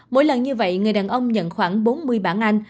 mỗi lần như vậy người đàn ông nhận khoảng bốn mươi bản anh